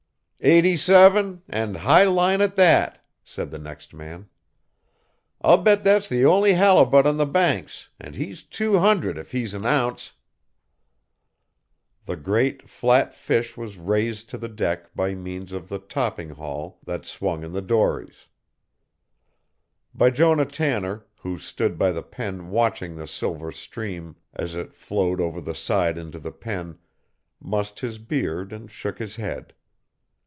"Eighty seven, and high line at that!" said the next man. "I'll bet that's the only halibut on the Banks, and he's two hundred if he's an ounce." The great, flat fish was raised to the deck by means of the topping haul that swung in the dories. Bijonah Tanner, who stood by the pen watching the silver stream as it flowed over the side into the pen, mussed his beard and shook his head.